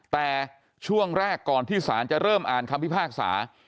แต่ช่วงแรกก่อนที่ศาลจะเริ่มอ่านคำพิพากษา